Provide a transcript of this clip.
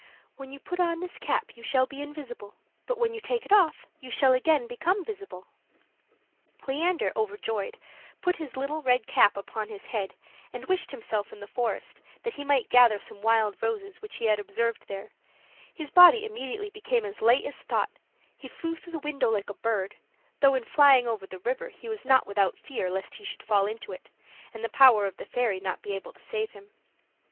"When you put on this cap you shall be invisible; but when you take it off you shall again become visible." Leander, overjoyed, put his little red cap upon his head and wished himself in the forest, that he might gather some wild roses which he had observed there: his body immediately became as light as thought; he flew through the window like a bird; though, in flying over the river, he was not without fear lest he should fall into it, and the power of the fairy not be able to save him.